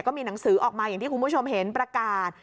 ก็มีหนังสือออกมาอย่างที่คุณผู้ชมเห็นประกาศ